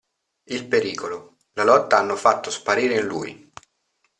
Il pericolo, la lotta hanno fatto sparire in lui.